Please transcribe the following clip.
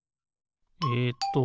えっと